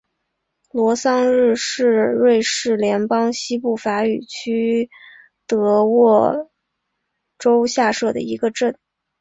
罗桑日是瑞士联邦西部法语区的沃州下设的一个镇。